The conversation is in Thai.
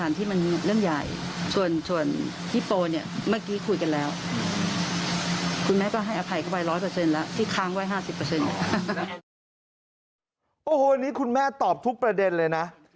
อันนี้คุณแม่ตอบทุกประเด็นเลยนะ